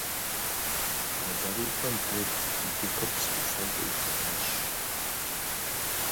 А дакъикъэм Берд и гупыр псы ӏуфэм къыӏулъэдащ.